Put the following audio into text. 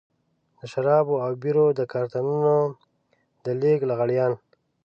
د شرابو او بيرو د کارټنونو د لېږد لغړيان.